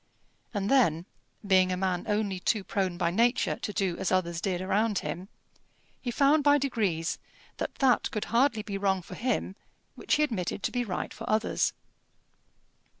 And then, being a man only too prone by nature to do as others did around him, he found by degrees that that could hardly be wrong for him which he admitted to be right for others.